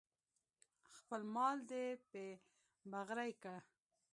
خپل مال دې پې بغرۍ که.